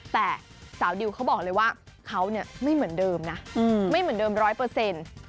แต่สาวดิวเขาบอกเลยว่าเขาเนี่ยไม่เหมือนเดิมนะไม่เหมือนเดิมร้อยเปอร์เซ็นต์